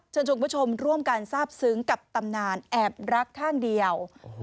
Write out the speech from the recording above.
ชวนคุณผู้ชมร่วมกันทราบซึ้งกับตำนานแอบรักข้างเดียว